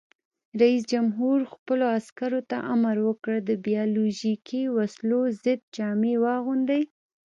رئیس جمهور خپلو عسکرو ته امر وکړ؛ د بیولوژیکي وسلو ضد جامې واغوندئ!